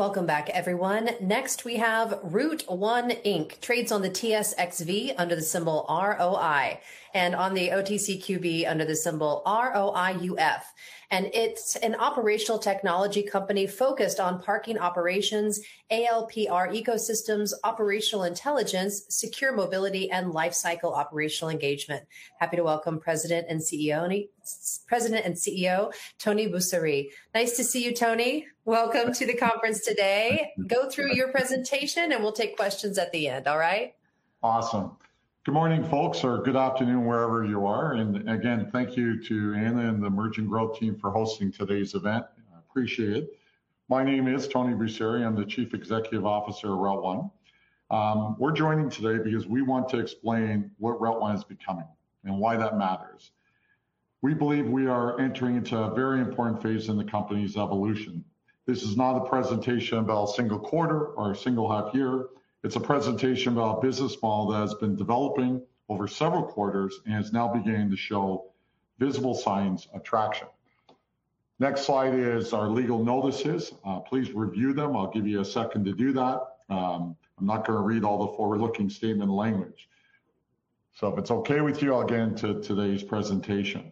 Welcome back, everyone. Next, we have Route1 Inc., trades on the TSXV under the symbol ROI, and on the OTCQB under the symbol ROIUF. It's an operational technology company focused on parking operations, ALPR ecosystems, operational intelligence, secure mobility, and lifecycle operational engagement. Happy to welcome President and CEO, Tony Busseri. Nice to see you, Tony. Welcome to the conference today. Go through your presentation, and we'll take questions at the end. All right? Awesome. Good morning, folks, or good afternoon, wherever you are. Again, thank you to Anna and the Emerging Growth team for hosting today's event. Appreciate it. My name is Tony Busseri. I'm the Chief Executive Officer of Route1. We're joining today because we want to explain what Route1 is becoming and why that matters. We believe we are entering into a very important phase in the company's evolution. This is not a presentation about a single quarter or a single half year. It's a presentation about a business model that has been developing over several quarters and is now beginning to show visible signs of traction. Next slide is our legal notices. Please review them. I'll give you a second to do that. I'm not going to read all the forward-looking statement language. If it's okay with you, I'll get into today's presentation.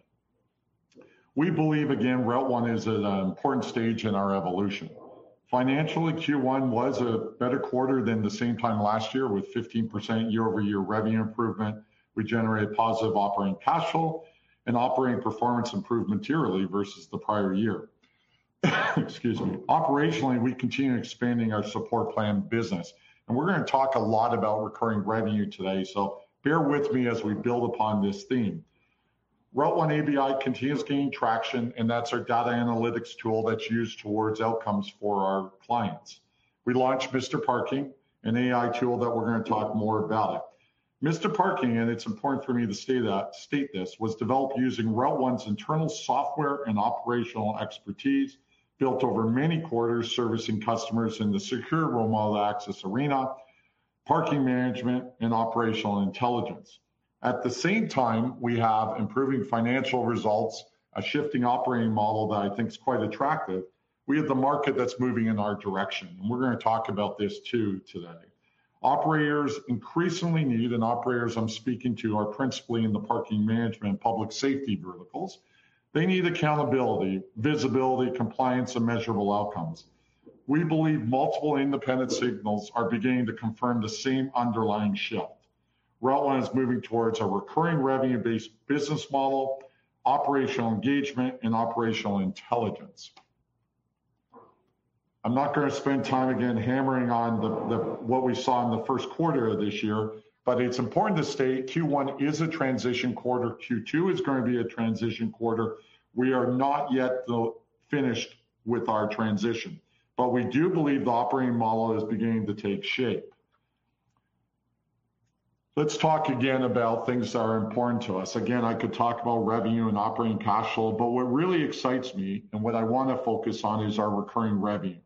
We believe, again, Route1 is at an important stage in our evolution. Financially, Q1 was a better quarter than the same time last year, with 15% year-over-year revenue improvement. We generated positive operating cash flow and operating performance improved materially versus the prior year. Excuse me. Operationally, we continue expanding our support plan business, and we're going to talk a lot about recurring revenue today, so bear with me as we build upon this theme. Route1 ABI continues gaining traction, and that's our data analytics tool that's used towards outcomes for our clients. We launched Mr. Parking, an AI tool that we're going to talk more about. Mr. Parking, and it's important for me to state this, was developed using Route1's internal software and operational expertise built over many quarters servicing customers in the secure remote access arena, parking management, and operational intelligence. At the same time, we have improving financial results, a shifting operating model that I think is quite attractive. We have the market that's moving in our direction, and we're going to talk about this, too, today. Operators increasingly need, and operators I'm speaking to are principally in the parking management and public safety verticals. They need accountability, visibility, compliance, and measurable outcomes. We believe multiple independent signals are beginning to confirm the same underlying shift. Route1 is moving towards a recurring revenue-based business model, operational engagement, and operational intelligence. I'm not going to spend time again hammering on what we saw in the first quarter of this year, but it's important to state Q1 is a transition quarter. Q2 is going to be a transition quarter. We are not yet finished with our transition, but we do believe the operating model is beginning to take shape. Let's talk again about things that are important to us. Again, I could talk about revenue and operating cash flow, but what really excites me and what I want to focus on is our recurring revenue.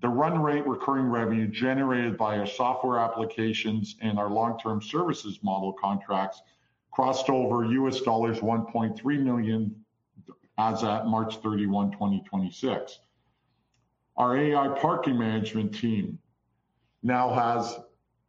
The run rate recurring revenue generated by our software applications and our long-term services model contracts crossed over US$1.3 million as at March 31st of this year. Our AI parking management team now has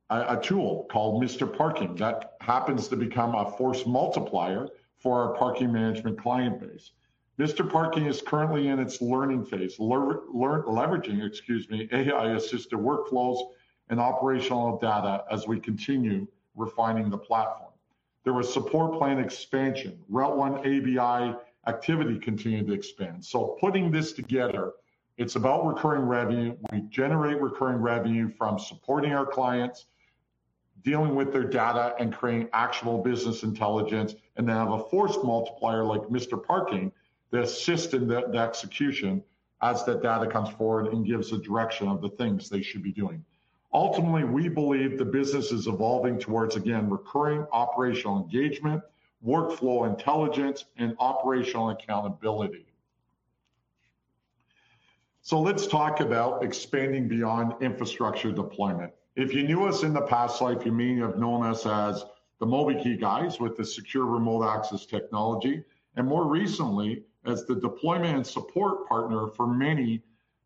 a tool called Mr. Parking that happens to become a force multiplier for our parking management client base. Mr. Parking is currently in its learning phase, leveraging, excuse me, AI-assisted workflows and operational data as we continue refining the platform. There was support plan expansion. Route1 ABI activity continued to expand. Putting this together, it's about recurring revenue. We generate recurring revenue from supporting our clients, dealing with their data, and creating actionable business intelligence, and now have a force multiplier like Mr. Parking that assist in the execution as that data comes forward and gives a direction of the things they should be doing. Ultimately, we believe the business is evolving towards, again, recurring operational engagement, workflow intelligence, and operational accountability. Let's talk about expanding beyond infrastructure deployment. If you knew us in the past life, you may have known us as the MobiKEY guys with the secure remote access technology, and more recently as the deployment and support partner for many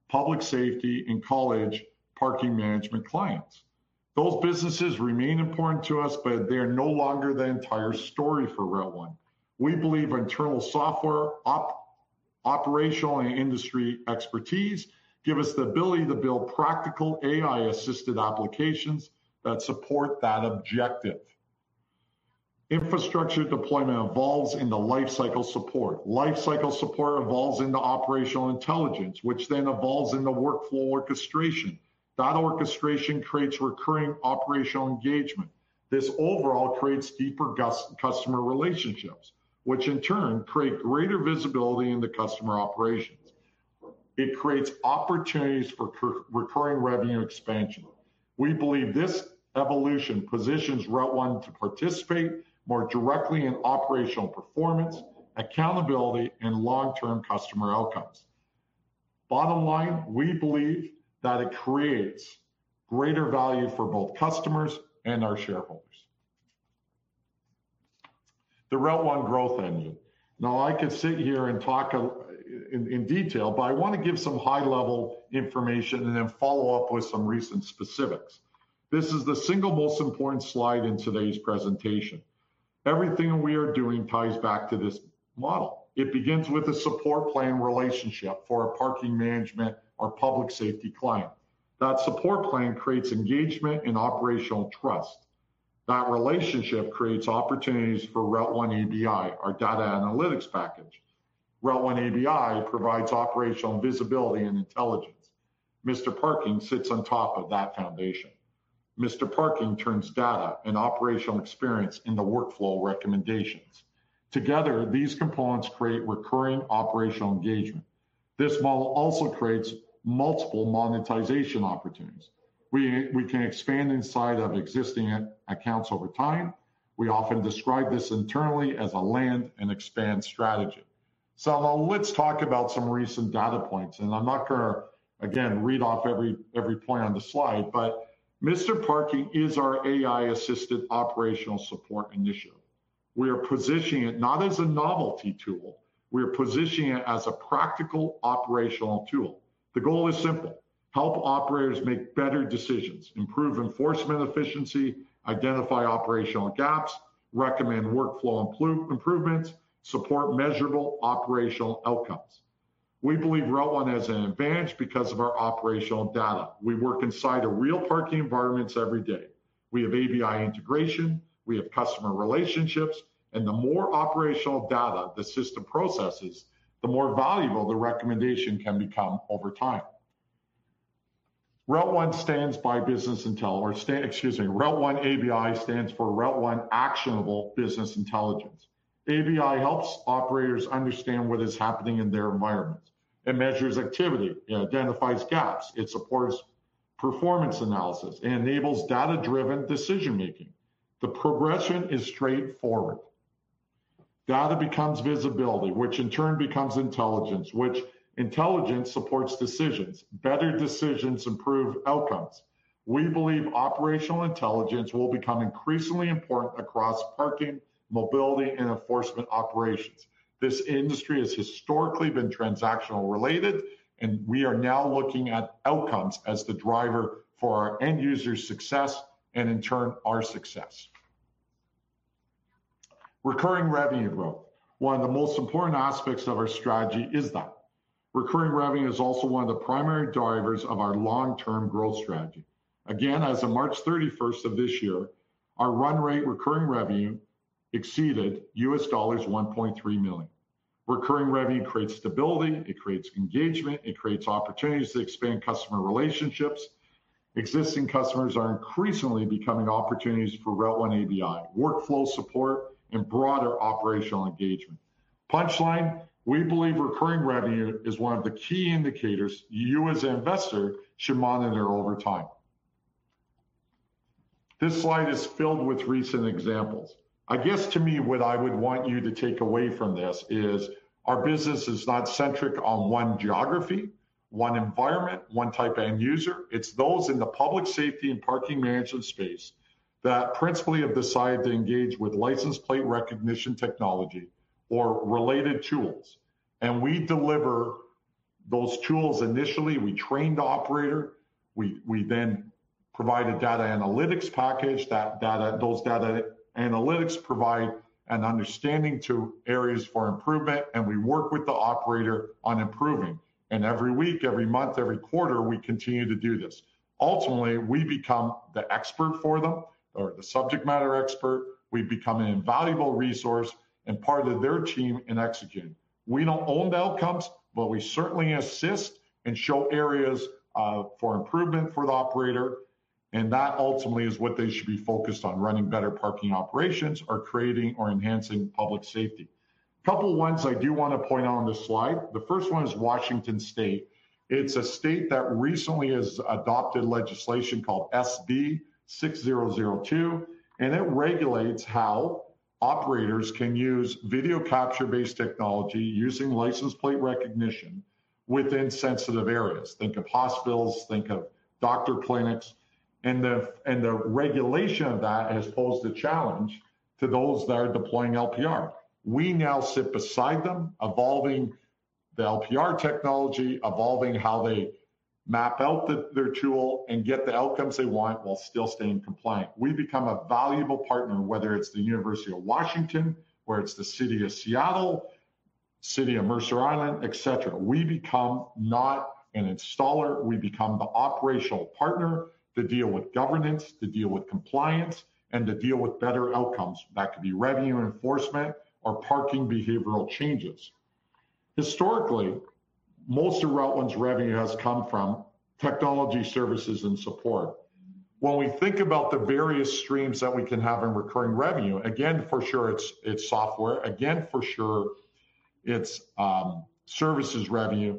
public safety and college parking management clients. Those businesses remain important to us, but they are no longer the entire story for Route1. We believe our internal software, operational, and industry expertise give us the ability to build practical AI-assisted applications that support that objective. Infrastructure deployment evolves into lifecycle support. Lifecycle support evolves into operational intelligence, which then evolves into workflow orchestration. That orchestration creates recurring operational engagement. This overall creates deeper customer relationships, which in turn create greater visibility into customer operations. It creates opportunities for recurring revenue expansion. We believe this evolution positions Route1 to participate more directly in operational performance, accountability, and long-term customer outcomes. Bottom line, we believe that it creates greater value for both customers and our shareholders. The Route1 growth engine. Now I could sit here and talk in detail, but I want to give some high-level information and then follow up with some recent specifics. This is the single most important slide in today's presentation. Everything we are doing ties back to this model. It begins with a support plan relationship for our parking management, our public safety client. That support plan creates engagement and operational trust. That relationship creates opportunities for Route1 ABI, our data analytics package. Route1 ABI provides operational visibility and intelligence. Mr. Parking sits on top of that foundation. Mr. Parking turns data and operational experience into workflow recommendations. Together, these components create recurring operational engagement. This model also creates multiple monetization opportunities. We can expand inside of existing accounts over time. We often describe this internally as a land and expand strategy. Now let's talk about some recent data points, and I'm not going to, again, read off every point on the slide, but Mr. Parking is our AI-assisted operational support initiative. We are positioning it not as a novelty tool. We are positioning it as a practical operational tool. The goal is simple: help operators make better decisions, improve enforcement efficiency, identify operational gaps, recommend workflow improvements, support measurable operational outcomes. We believe Route1 has an advantage because of our operational data. We work inside of real parking environments every day. We have ABI integration, we have customer relationships, and the more operational data the system processes, the more valuable the recommendation can become over time. Route1 stands by business intel or, excuse me, Route1 ABI stands for Route1 Actionable Business Intelligence. ABI helps operators understand what is happening in their environment. It measures activity, it identifies gaps, it supports performance analysis, and enables data-driven decision-making. The progression is straightforward. Data becomes visibility, which in turn becomes intelligence, which intelligence supports decisions, better decisions, improve outcomes. We believe operational intelligence will become increasingly important across parking, mobility, and enforcement operations. This industry has historically been transactional related, and we are now looking at outcomes as the driver for our end users' success, and in turn, our success. Recurring revenue growth. One of the most important aspects of our strategy is that. Recurring revenue is also one of the primary drivers of our long-term growth strategy. Again, as of March 31st of this year, our run rate recurring revenue exceeded $1.3 million. Recurring revenue creates stability, it creates engagement, it creates opportunities to expand customer relationships. Existing customers are increasingly becoming opportunities for Route1 ABI, workflow support, and broader operational engagement. Punchline: We believe recurring revenue is one of the key indicators you as an investor should monitor over time. This slide is filled with recent examples. I guess to me, what I would want you to take away from this is our business is not centric on one geography, one environment, one type of end user. It's those in the public safety and parking management space that principally have decided to engage with license plate recognition technology or related tools. We deliver those tools initially, we train the operator, we then provide a data analytics package. Those data analytics provide an understanding to areas for improvement, and we work with the operator on improving. Every week, every month, every quarter, we continue to do this. Ultimately, we become the expert for them or the subject matter expert. We become an invaluable resource and part of their team in executing. We don't own the outcomes, but we certainly assist and show areas for improvement for the operator, and that ultimately is what they should be focused on, running better parking operations or creating or enhancing public safety. Couple ones I do want to point out on this slide. The first one is Washington State. It's a state that recently has adopted legislation called SB 6002, and it regulates how operators can use video capture-based technology using license plate recognition within sensitive areas. Think of hospitals, think of doctor clinics, and the regulation of that has posed a challenge to those that are deploying LPR. We now sit beside them, evolving the LPR technology, evolving how they map out their tool and get the outcomes they want while still staying compliant. We become a valuable partner, whether it's the University of Washington, or it's the City of Seattle, City of Mercer Island, et cetera. We become not an installer, we become the operational partner to deal with governance, to deal with compliance, and to deal with better outcomes. That could be revenue enforcement or parking behavioral changes. Historically, most of Route1's revenue has come from technology, services, and support. When we think about the various streams that we can have in recurring revenue, again, for sure, it's software. Again, for sure, it's services revenue.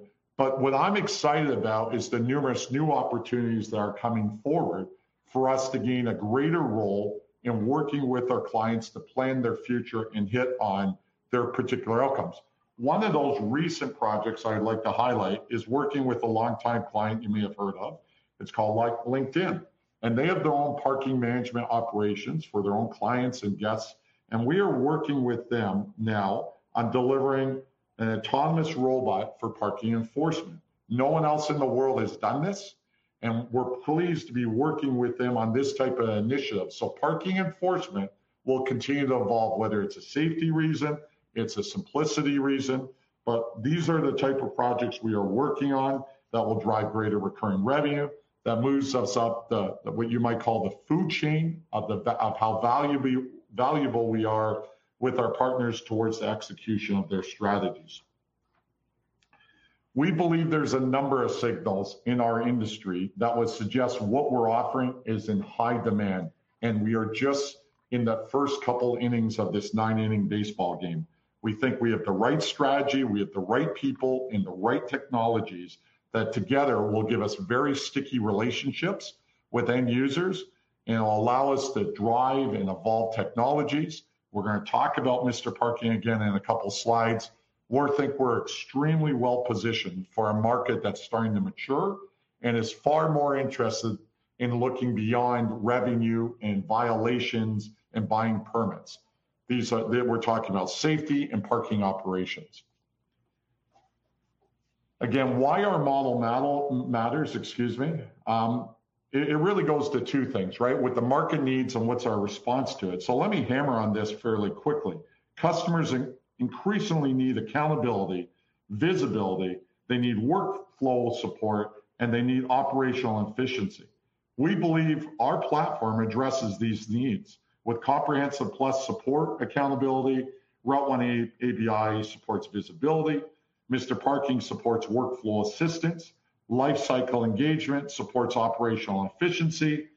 What I'm excited about is the numerous new opportunities that are coming forward for us to gain a greater role in working with our clients to plan their future and hit on their particular outcomes. One of those recent projects I'd like to highlight is working with a long-time client you may have heard of. It's called LinkedIn. They have their own parking management operations for their own clients and guests, and we are working with them now on delivering an autonomous robot for parking enforcement. No one else in the world has done this. We're pleased to be working with them on this type of initiative. Parking enforcement will continue to evolve, whether it's a safety reason, it's a simplicity reason. These are the type of projects we are working on that will drive greater recurring revenue, that moves us up the, what you might call the food chain of how valuable we are with our partners towards the execution of their strategies. We believe there's a number of signals in our industry that would suggest what we're offering is in high demand. We are just in the first couple innings of this nine-inning baseball game. We think we have the right strategy, we have the right people, and the right technologies that together will give us very sticky relationships with end users and it'll allow us to drive and evolve technologies. We're going to talk about Mr. Parking again in a couple slides. We think we're extremely well positioned for a market that's starting to mature and is far more interested in looking beyond revenue and violations and buying permits. We're talking about safety and parking operations. Again, why our model matters, excuse me. It really goes to two things, right? What the market needs and what's our response to it. Let me hammer on this fairly quickly. Customers increasingly need accountability, visibility, they need workflow support, and they need operational efficiency. We believe our platform addresses these needs with Comprehensive+ support accountability, Route1 ABI supports visibility, Mr. Parking supports workflow assistance, Lifecycle Engagement supports operational efficiency.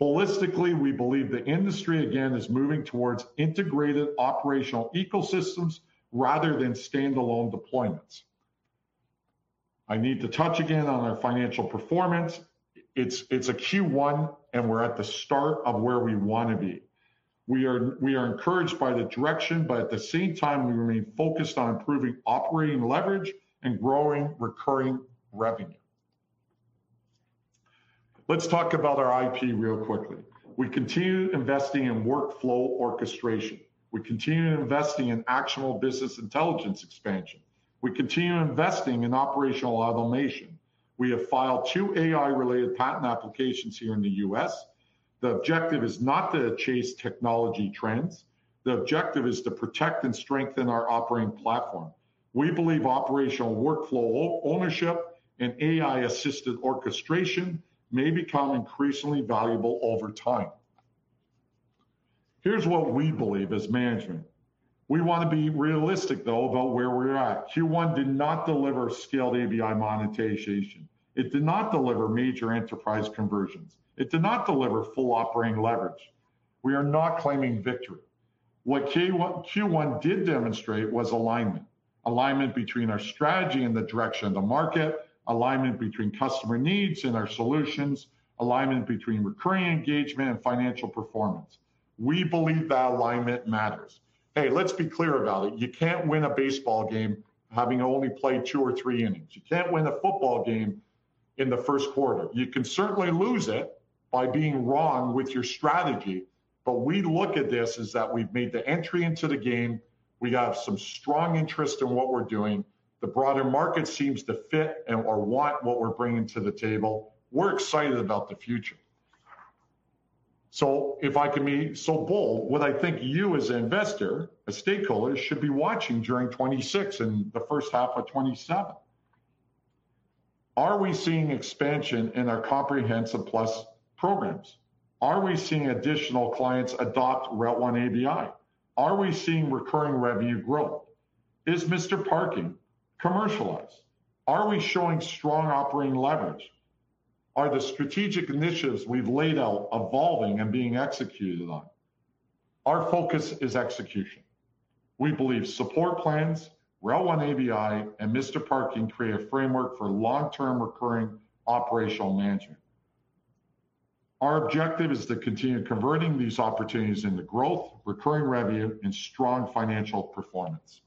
Holistically, we believe the industry, again, is moving towards integrated operational ecosystems rather than standalone deployments. I need to touch again on our financial performance. It's a Q1. We're at the start of where we want to be. We are encouraged by the direction. At the same time, we remain focused on improving operating leverage and growing recurring revenue. Let's talk about our IP real quickly. We continue investing in workflow orchestration. We continue investing in actionable business intelligence expansion. We continue investing in operational automation. We have filed two AI-related patent applications here in the U.S. The objective is not to chase technology trends. The objective is to protect and strengthen our operating platform. We believe operational workflow ownership and AI-assisted orchestration may become increasingly valuable over time. Here's what we believe as management. We want to be realistic, though, about where we're at. Q1 did not deliver scaled ABI monetization. It did not deliver major enterprise conversions. It did not deliver full operating leverage. We are not claiming victory. What Q1 did demonstrate was alignment. Alignment between our strategy and the direction of the market, alignment between customer needs and our solutions, alignment between recurring engagement and financial performance. We believe that alignment matters. Hey, let's be clear about it. You can't win a baseball game having only played two or three innings. You can't win a football game in the first quarter. You can certainly lose it by being wrong with your strategy. We look at this as that we've made the entry into the game, we have some strong interest in what we're doing. The broader market seems to fit and, or want what we're bringing to the table. We're excited about the future. If I can be so bold, what I think you, as an investor, a stakeholder, should be watching during 2026 and the first half of 2027. Are we seeing expansion in our Comprehensive+ programs? Are we seeing additional clients adopt Route1 ABI? Are we seeing recurring revenue growth? Is Mr. Parking commercialized? Are we showing strong operating leverage? Are the strategic initiatives we've laid out evolving and being executed on? Our focus is execution. We believe Support Plans, Route1 ABI, and Mr. Parking create a framework for long-term recurring operational management. Our objective is to continue converting these opportunities into growth, recurring revenue, and strong financial performance.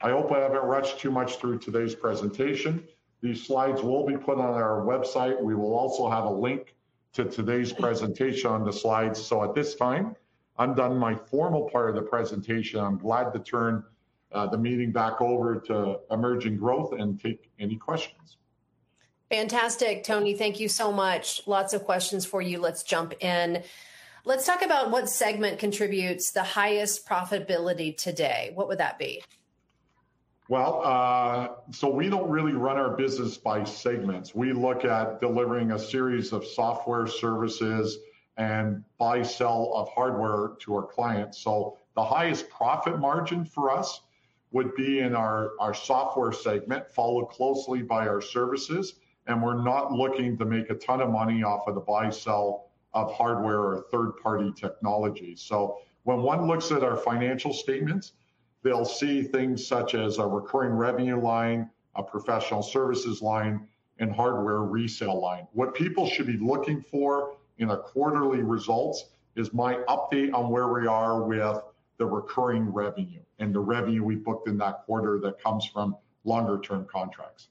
I hope I haven't rushed too much through today's presentation. These slides will be put on our website. We will also have a link to today's presentation on the slides. At this time, I'm done my formal part of the presentation. I'm glad to turn the meeting back over to Emerging Growth and take any questions. Fantastic, Tony. Thank you so much. Lots of questions for you. Let's jump in. Let's talk about what segment contributes the highest profitability today. What would that be? We don't really run our business by segments. We look at delivering a series of software services and buy sell of hardware to our clients. The highest profit margin for us would be in our software segment, followed closely by our services, we're not looking to make a ton of money off of the buy sell of hardware or third-party technology. When one looks at our financial statements, they'll see things such as a recurring revenue line, a professional services line, and hardware resale line. What people should be looking for in our quarterly results is my update on where we are with the recurring revenue and the revenue we booked in that quarter that comes from longer term contracts.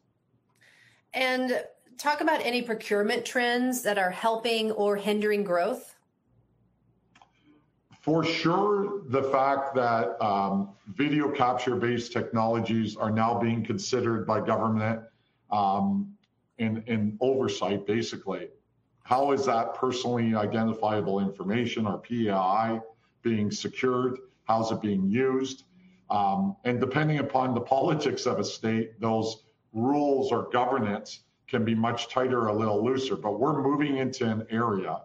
Talk about any procurement trends that are helping or hindering growth. For sure, the fact that video capture-based technologies are now being considered by government in oversight, basically. How is that personally identifiable information, or PII, being secured? How is it being used? Depending upon the politics of a state, those rules or governance can be much tighter or a little looser. We're moving into an area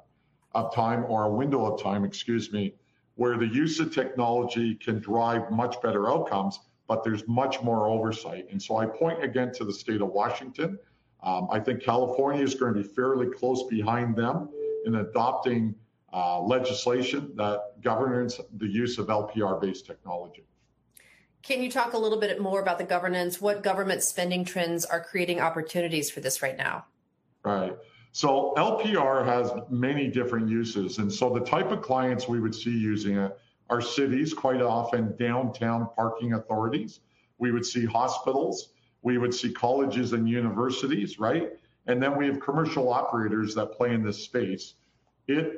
of time, or a window of time, excuse me, where the use of technology can drive much better outcomes, there's much more oversight. I point again to the state of Washington. I think California is going to be fairly close behind them in adopting legislation that governs the use of LPR-based technology. Can you talk a little bit more about the governance? What government spending trends are creating opportunities for this right now? Right. LPR has many different uses, the type of clients we would see using it are cities, quite often downtown parking authorities. We would see hospitals, we would see colleges and universities, right? Then we have commercial operators that play in this space.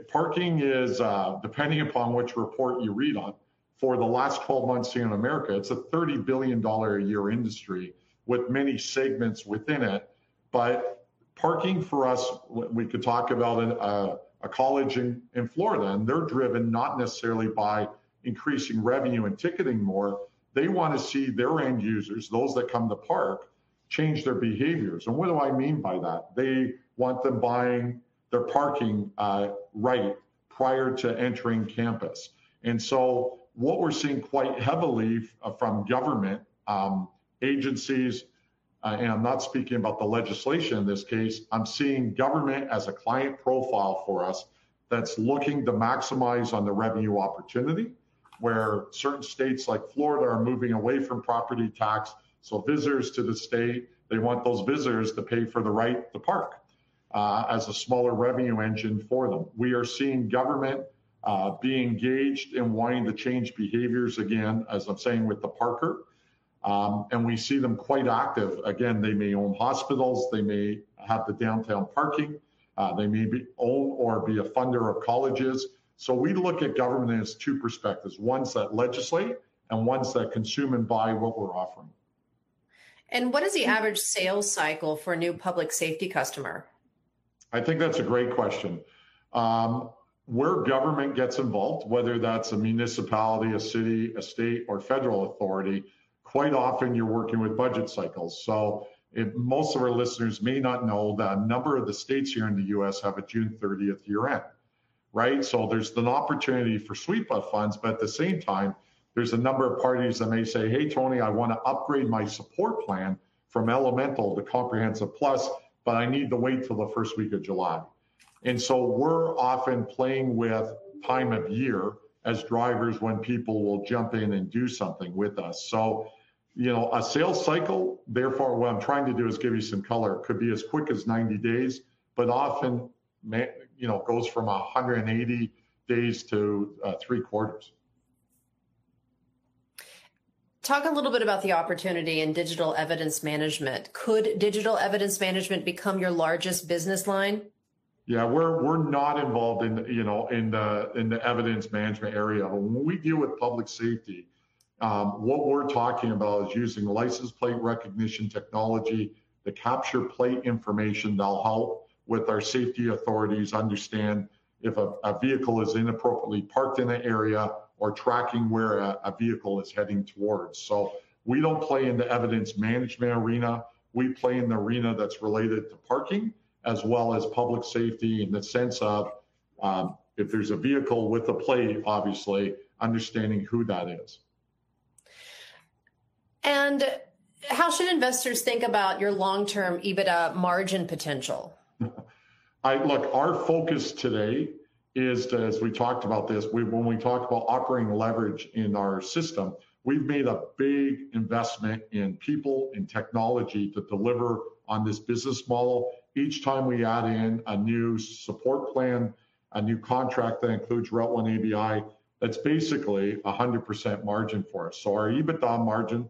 Parking is, depending upon which report you read on, for the last 12 months here in America, it's a $30 billion a year industry with many segments within it. Parking for us, we could talk about a college in Florida, they're driven not necessarily by increasing revenue and ticketing more. They want to see their end users, those that come to park, change their behaviors. What do I mean by that? They want them buying their parking right prior to entering campus. What we're seeing quite heavily from government agencies, I'm not speaking about the legislation in this case, I'm seeing government as a client profile for us that's looking to maximize on the revenue opportunity, where certain states like Florida are moving away from property tax. Visitors to the state, they want those visitors to pay for the right to park as a smaller revenue engine for them. We are seeing government being engaged in wanting to change behaviors, again, as I'm saying with the parker, we see them quite active. Again, they may own hospitals, they may have the downtown parking, they maybe own or be a funder of colleges. We look at government as two perspectives, ones that legislate and ones that consume and buy what we're offering. What is the average sales cycle for a new public safety customer? I think that's a great question. Where government gets involved, whether that's a municipality, a city, a state, or federal authority, quite often you're working with budget cycles. Most of our listeners may not know that a number of the states here in the U.S. have a June 30th year-end. Right? There's an opportunity for sweep-up funds, at the same time, there's a number of parties that may say, "Hey, Tony, I want to upgrade my support plan from Elemental to Comprehensive+ but I need to wait till the first week of July." We're often playing with time of year as drivers when people will jump in and do something with us. A sales cycle, therefore what I'm trying to do is give you some color, could be as quick as 90 days, often goes from 180 days to three quarters. Talk a little bit about the opportunity in digital evidence management. Could digital evidence management become your largest business line? Yeah. We're not involved in the evidence management area. When we deal with public safety, what we're talking about is using license plate recognition technology to capture plate information that'll help with our safety authorities understand if a vehicle is inappropriately parked in an area or tracking where a vehicle is heading towards. We don't play in the evidence management arena. We play in the arena that's related to parking as well as public safety in the sense of, if there's a vehicle with a plate, obviously, understanding who that is. How should investors think about your long-term EBITDA margin potential? Look, our focus today is to, as we talked about this, when we talk about operating leverage in our system, we've made a big investment in people and technology to deliver on this business model. Each time we add in a new support plan, a new contract that includes Route1 ABI, that's basically 100% margin for us. Our EBITDA margin,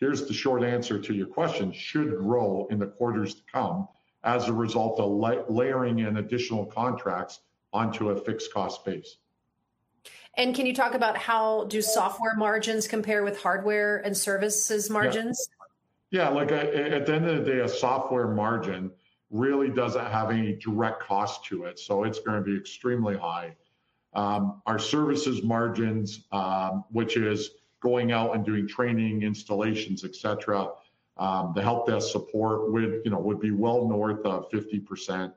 here's the short answer to your question, should grow in the quarters to come as a result of layering in additional contracts onto a fixed cost base. Can you talk about how do software margins compare with hardware and services margins? Yeah. At the end of the day, a software margin really doesn't have any direct cost to it, so it's going to be extremely high. Our services margins, which is going out and doing training, installations, et cetera, the help desk support would be well north of 50%.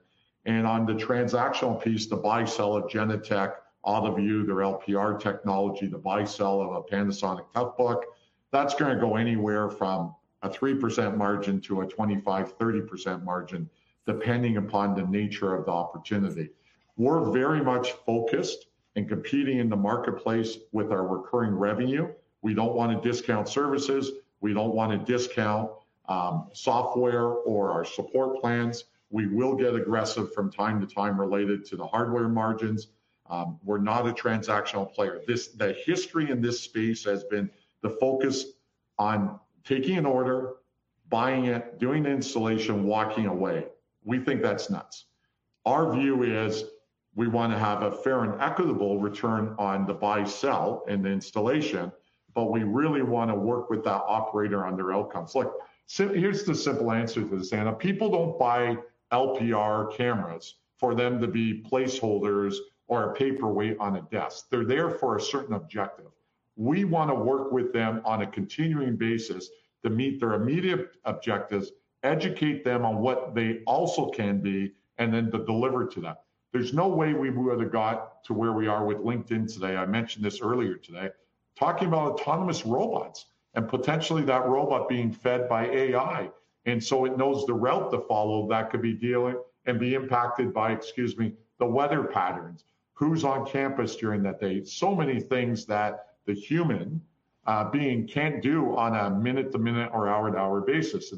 On the transactional piece, the buy-sell of Genetec, AutoVu, their LPR technology, the buy-sell of a Panasonic Toughbook, that's going to go anywhere from a 3% margin to a 25%-30% margin, depending upon the nature of the opportunity. We're very much focused in competing in the marketplace with our recurring revenue. We don't want to discount services. We don't want to discount software or our support plans. We will get aggressive from time to time related to the hardware margins. We're not a transactional player. The history in this space has been the focus on taking an order, buying it, doing the installation, walking away. We think that's nuts. Our view is we want to have a fair and equitable return on the buy-sell and the installation, but we really want to work with that operator on their outcomes. Look, here's the simple answer to this, Anna. People don't buy LPR cameras for them to be placeholders or a paperweight on a desk. They're there for a certain objective. We want to work with them on a continuing basis to meet their immediate objectives, educate them on what they also can be, and then to deliver to them. There's no way we would have got to where we are with LinkedIn today, I mentioned this earlier today, talking about autonomous robots, and potentially that robot being fed by AI, and so it knows the route to follow that could be dealing and be impacted by, excuse me, the weather patterns, who's on campus during that day. So many things that the human being can't do on a minute-to-minute or hour-to-hour basis.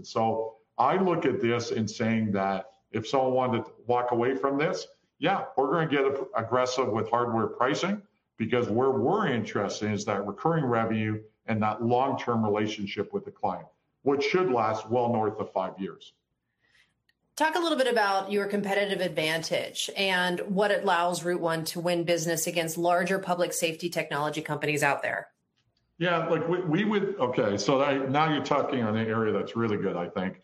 I look at this in saying that if someone wanted to walk away from this, yeah, we're going to get aggressive with hardware pricing because where we're interested is that recurring revenue and that long-term relationship with the client, which should last well north of five years. Talk a little bit about your competitive advantage and what allows Route1 to win business against larger public safety technology companies out there. Yeah. Okay, now you're talking on an area that's really good, I think.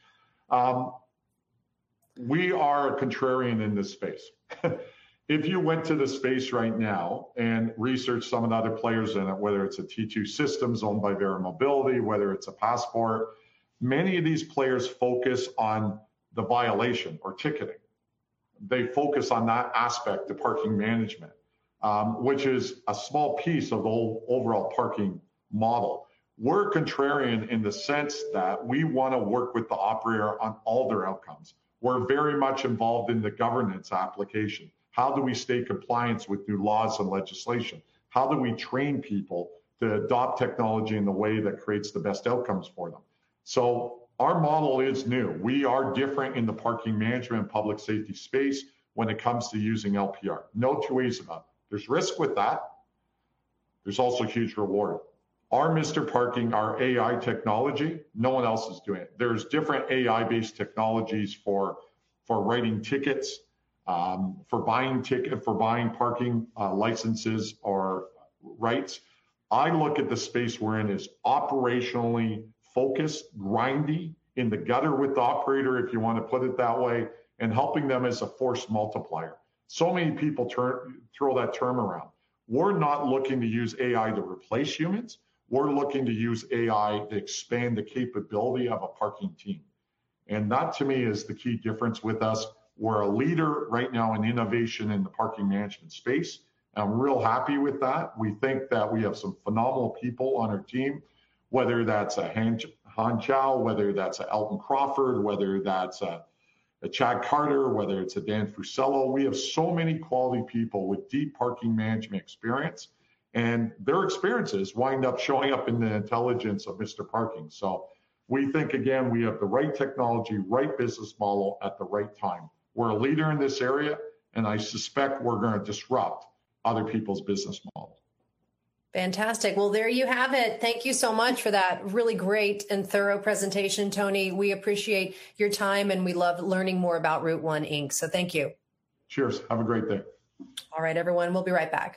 We are a contrarian in this space. If you went to the space right now and researched some of the other players in it, whether it's a T2 Systems owned by Verra Mobility, whether it's a Passport, many of these players focus on the violation or ticketing. They focus on that aspect of parking management, which is a small piece of the whole overall parking model. We're contrarian in the sense that we want to work with the operator on all their outcomes. We're very much involved in the governance application. How do we stay compliant with new laws and legislation? How do we train people to adopt technology in the way that creates the best outcomes for them? Our model is new. We are different in the parking management and public safety space when it comes to using LPR. No two ways about it. There's risk with that. There's also huge reward. Our Mr. Parking, our AI technology, no one else is doing it. There's different AI-based technologies for writing tickets, for buying parking licenses or rights. I look at the space we're in as operationally focused, grindy, in the gutter with the operator, if you want to put it that way, and helping them as a force multiplier. Many people throw that term around. We're not looking to use AI to replace humans. We're looking to use AI to expand the capability of a parking team. That to me is the key difference with us. We're a leader right now in innovation in the parking management space. I'm real happy with that. We think that we have some phenomenal people on our team, whether that's a Han Xiao, whether that's an Elton Crawford, whether that's a Chad Carter, whether it's a Dan Fuccello. We have so many quality people with deep parking management experience, and their experiences wind up showing up in the intelligence of Mr. Parking. We think, again, we have the right technology, right business model at the right time. We're a leader in this area, and I suspect we're going to disrupt other people's business models. Fantastic. Well, there you have it. Thank you so much for that really great and thorough presentation, Tony. We appreciate your time, and we love learning more about Route1 Inc. Thank you. Cheers. Have a great day. All right, everyone, we'll be right back.